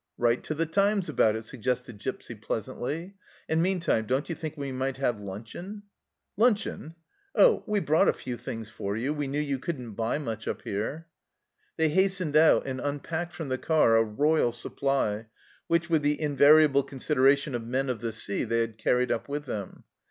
" Write to The Times about it," suggested Gipsy pleasantly. " And, meantime, don't you think we might have luncheon ?"" Luncheon ? Oh, we brought a few things for you. We knew you couldn't buy much up here." They hastened out, and unpacked from the car a royal supply, which, with the invariable considera tion of men of the sea, they had carried up with them.